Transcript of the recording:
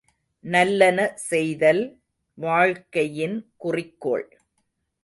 நல்லன செய்தல் வாழ்க்கையின் குறிக்கோள்.